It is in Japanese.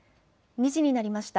２時になりました。